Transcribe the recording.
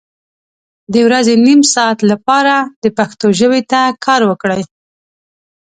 د ورځې نیم ساعت لپاره د پښتو ژبې ته کار وکړئ